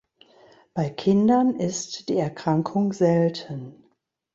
Bei Kindern ist die Erkrankung selten.